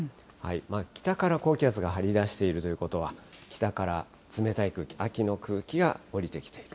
北から高気圧が張り出しているということは、北から冷たい空気、秋の空気が下りてきている。